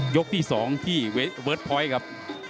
ยกที่๒ที่เบิร์ตพอยต์ครับ